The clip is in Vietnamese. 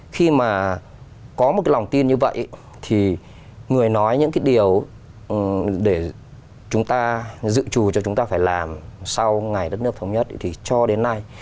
khi mà có một cái lòng tin như vậy thì người nói những cái điều để chúng ta dự trù cho chúng ta phải làm sau ngày đất nước thống nhất thì cho đến nay